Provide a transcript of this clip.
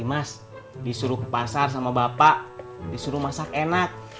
mas disuruh ke pasar sama bapak disuruh masak enak